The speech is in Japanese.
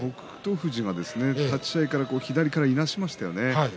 富士はですね、立ち合い左からいなしましたよね。